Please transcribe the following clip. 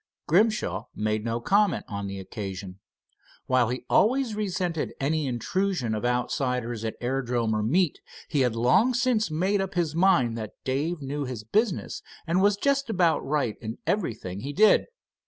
Grimshaw made no comment on the occasion. While he always resented any intrusion of outsiders at aerodrome or meet, he had long since made up his mind that Dave knew his business and was just about right in everything he did.